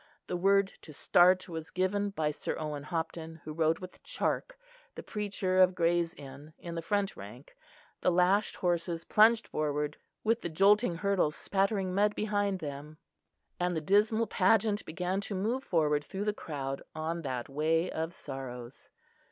The word to start was given by Sir Owen Hopton who rode with Charke, the preacher of Gray's Inn, in the front rank; the lashed horses plunged forward, with the jolting hurdles spattering mud behind them; and the dismal pageant began to move forward through the crowd on that way of sorrows.